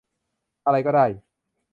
อะไรก็ได้